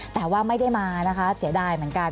แต่ว่าไม่ได้มานะคะเสียดายเหมือนกัน